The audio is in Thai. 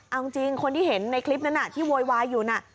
เอาจริงคนที่เห็นในคลิปนั้นที่โวยวายอยู่น่ะ